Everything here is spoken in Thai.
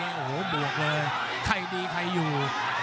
โอ้โหบวกเลยใครดีใครอยู่